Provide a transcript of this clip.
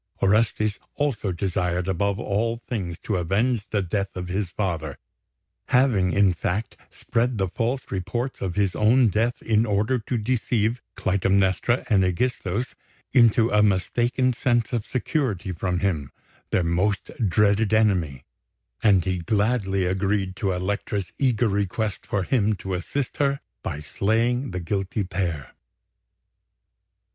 Orestes also desired above all things to avenge the death of his father having, in fact, spread the false reports of his own death in order to deceive Clytemnestra and Ægisthos into a mistaken sense of security from him, their most dreaded enemy; and he gladly agreed to Elektra's eager request for him to assist her by slaying the guilty pair.